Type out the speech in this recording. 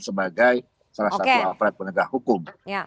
sebagai salah satu aparat penegak hukum